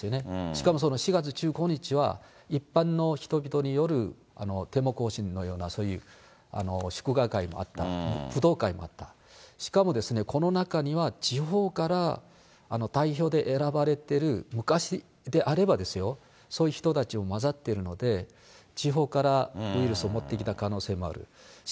しかもその４月１５日は、一般の人々によるデモ行進、そういうような祝賀会があった、しかもこの中には、地方から代表で選ばれてる昔であればですよ、そういう人たちも交ざってるので、地方からウイルスを持ってきた可能性もある。